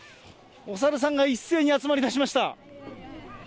おサルさんが一斉に集まりだしました。